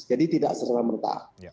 jadi tidak sesuai merta